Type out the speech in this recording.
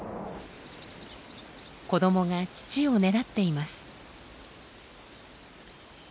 子どもが乳をねだっています。